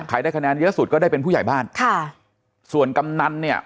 ได้คะแนนเยอะสุดก็ได้เป็นผู้ใหญ่บ้านค่ะส่วนกำนันเนี่ย